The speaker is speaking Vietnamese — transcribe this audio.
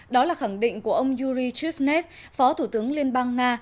đó là khẳng định của ông yuri tripnev phó thủ tướng liên bang nga